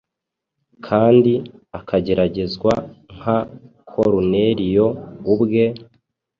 kandi akageragezwa nka Koruneliyo ubwe,